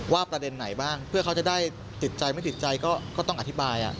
ประเด็นไหนบ้างเพื่อเขาจะได้ติดใจไม่ติดใจก็ต้องอธิบาย